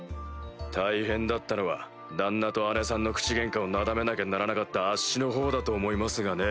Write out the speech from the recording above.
大変だったのは旦那と姉さんの口げんかをなだめなきゃならなかったあっしのほうだと思いますがね。